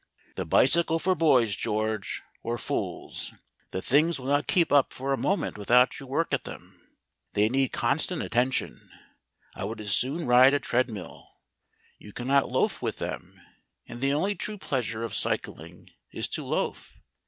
"The bicycle for boys, George or fools. The things will not keep up for a moment without you work at them, they need constant attention; I would as soon ride a treadmill. You cannot loaf with them, and the only true pleasure of cycling is to loaf.